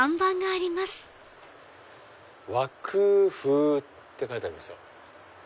「わく」「ふう」って書いてありますよ。